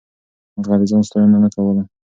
هغه د ځان ستاينه نه کوله.